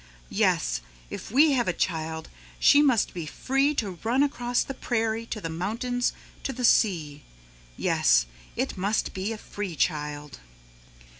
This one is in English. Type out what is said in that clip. Yes, if we have a child she must be free to run across the prairie, to the mountains, to the sea. Yes, it must be a free child."